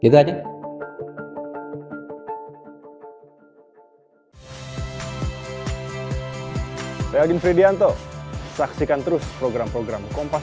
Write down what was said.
tapi saya tidak tahu perkembangan berikutnya